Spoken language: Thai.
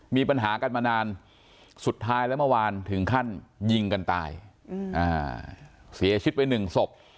มีปัญหากันมานานสุดท้ายแล้วเมื่อวานถึงขั้นยิงกันตายเสียชีวิตไปหนึ่งศพ